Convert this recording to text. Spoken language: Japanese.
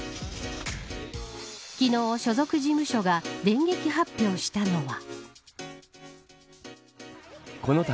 昨日、所属事務所が電撃発表したのは。